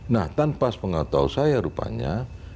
nah tanpa sepengetahu saya rupanya